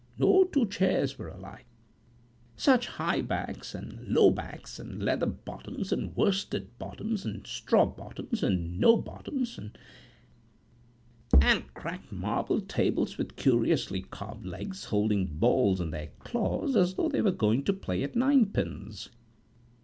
No two chairs were alike: such high backs and low backs, and leather bottoms and worsted bottoms, and straw bottoms, and no bottoms; and cracked marble tables with curiously carved legs, holding balls in their claws, as though they were going to play at ninepins.